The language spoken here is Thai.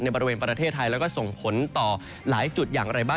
บริเวณประเทศไทยแล้วก็ส่งผลต่อหลายจุดอย่างไรบ้าง